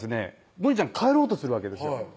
ゴニちゃん帰ろうとするわけです